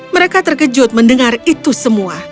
mereka terkejut mendengar itu semua